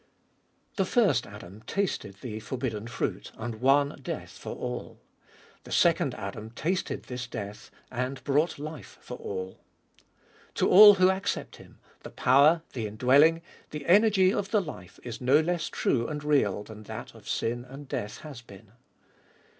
1. The first Adam tasted the forbidden fruit, and won death for all. The Second Adam tasted this death, and brought life for all. To all who accept Him, the power, the indwelling, the energy of the life is no less true and real than that of sin and death has been.